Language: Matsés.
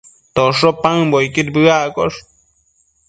tosho paëmbocquid bëaccosh